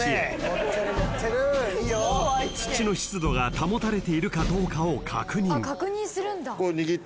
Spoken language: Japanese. ［土の湿度が保たれているかどうかを確認］